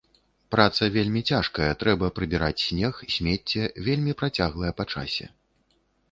Праца вельмі цяжкая, трэба прыбіраць снег, смецце, вельмі працяглая па часе.